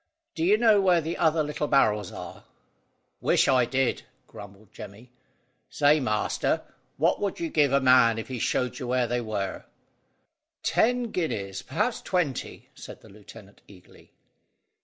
"Do you know where the other little barrels are?" "Wish I did," grumbled Jemmy. "Say, master, what would you give a man if he showed you where they were?" "Ten guineas; perhaps twenty," said the lieutenant eagerly.